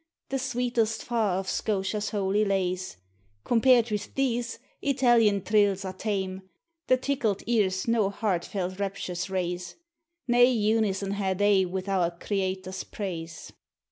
The sweetest far of Scotia's holy lays : Compared with these, Italian trills are tame; The tickled cars no heartfelt raptures raise; Nae unison hae they with our Creator's praise.